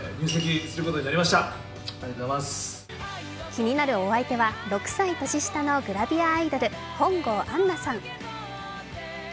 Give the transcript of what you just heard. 気になるお相手は、６歳年下のグラビアアイドル、本郷杏奈さん。